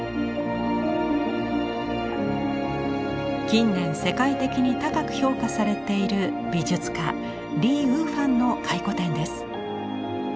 近年世界的に高く評価されている美術家李禹煥の回顧展です。